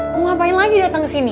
mau ngapain lagi dateng kesini